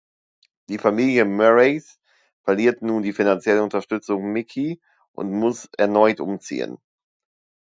Die Familie Murrays verliert nun die finanzielle Unterstützung Mickey und muss erneut umziehen.